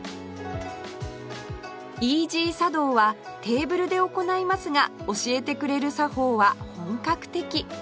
イージー茶道はテーブルで行いますが教えてくれる作法は本格的